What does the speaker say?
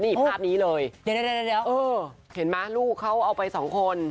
นี่ภาพนี้เลยเห็นมั้ยลูกเขาเอาไปสองคน